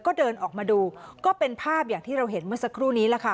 ก็เดินออกมาดูก็เป็นภาพอย่างที่เราเห็นเมื่อสักครู่นี้แหละค่ะ